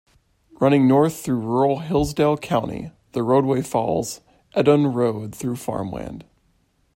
Running north through rural Hillsdale County, the roadway follows Edon Road through farm land.